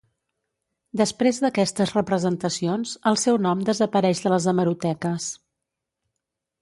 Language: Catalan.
Després d'aquestes representacions el seu nom desapareix de les hemeroteques.